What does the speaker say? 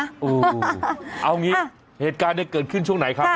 เอาอย่างนี้เหตุการณ์เกิดขึ้นช่วงไหนครับทุกคน